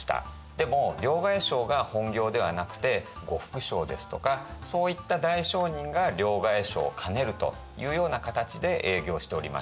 でも両替商が本業ではなくて呉服商ですとかそういった大商人が両替商を兼ねるというような形で営業しておりました。